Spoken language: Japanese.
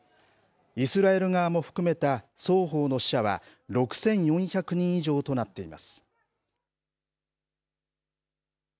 イスラエル側も含めた双方の死者は６４００人以上となっています。